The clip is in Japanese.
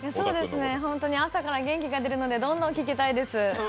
本当に朝から元気が出るのでどんどん聞きたいです。